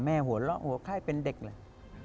แม่หัวเลาะหัวค่ายเป็นเด็กเลย